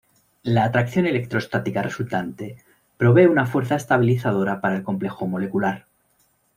La atracción electrostática resultante provee una fuerza estabilizadora para el complejo molecular.